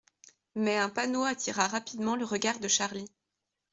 Mais un panneau attira rapidement le regard de Charlie.